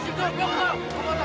ada nggak ada